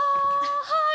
はい。